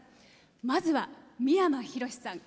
まずは、三山ひろしさん。